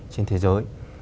trên thế giới